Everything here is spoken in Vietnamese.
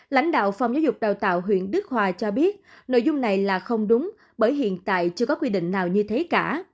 lãnh đạo phòng giáo dục đào tạo huyện đức hòa cho biết nội dung này là không đúng bởi hiện tại chưa có quy định nào như thế cả